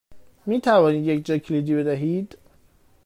می توانید یک جاکلیدی بدهید؟